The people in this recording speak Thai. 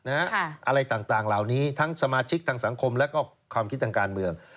อะไรต่างเหล่านี้ทั้งสมาชิกทางสังคมและความคิดทางการเมือง